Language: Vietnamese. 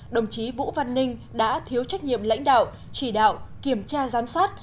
đồng chí vũ văn ninh đã thiếu trách nhiệm lãnh đạo chỉ đạo kiểm tra giám sát